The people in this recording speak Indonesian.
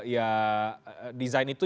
ya design itu